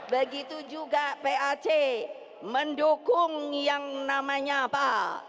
begitu juga pac mendukung yang namanya apa